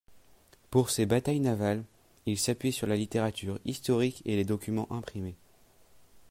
Pour ses batailles navales, il s'appuie sur la littérature historique et les documents imprimés.